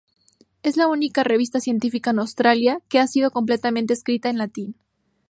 Es la única revista científica en Australia, que ha sido completamente escrita en latín.